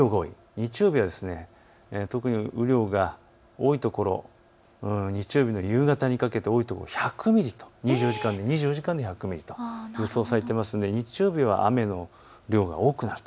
日曜日は特に雨量が多い所、日曜日の夕方にかけて多い所、１００ミリと、２４時間で１００ミリと予想されていますので日曜日は雨の量が多くなると。